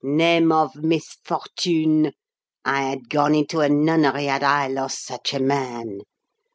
Name of misfortune! I had gone into a nunnery had I lost such a man.